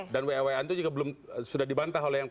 dan wawaan itu juga sudah dibantah oleh